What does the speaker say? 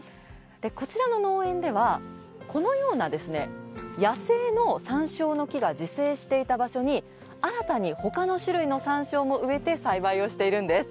こちらの農園ではこのような野生の山椒の木が自生していた場所に新たにほかの種類の山椒を植えて栽培をしているんです。